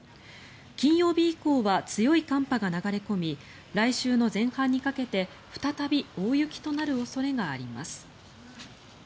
金曜日以降は強い寒波が流れ込み来週の前半にかけて再び大雪となる恐れがあります。